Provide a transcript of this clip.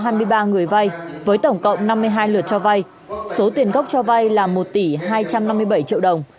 người vay với tổng cộng năm mươi hai lượt cho vay số tiền gốc cho vay là một tỷ hai trăm năm mươi bảy triệu đồng